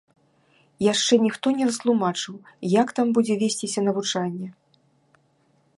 Яшчэ ніхто не растлумачыў, як там будзе весціся навучанне.